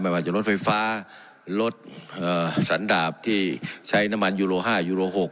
ว่าจะรถไฟฟ้ารถสันดาบที่ใช้น้ำมันยูโล๕ยูโร๖